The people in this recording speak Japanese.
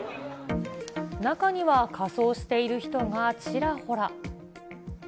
中には仮装している人がちらほら。